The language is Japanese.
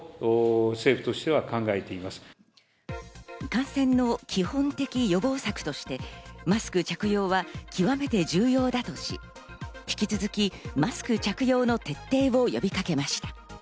感染の基本的予防策として、マスク着用は極めて重要だとし、引き続きマスク着用の徹底を呼びかけました。